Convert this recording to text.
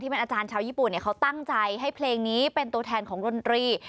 เป็นอาจารย์ชาวญี่ปุ่นเขาตั้งใจให้เพลงนี้เป็นตัวแทนของดนตรี